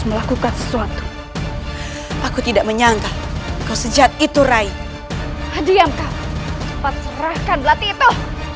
melakukan sesuatu aku tidak menyangka kau sejat itu rai hadiamkan serahkan berarti itu